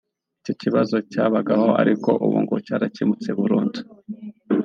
icyo kibazo cyabagaho ariko ubu ngo cyarakemutse burundu